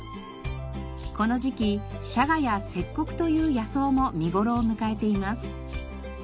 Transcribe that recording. この時期シャガやセッコクという野草も見頃を迎えています。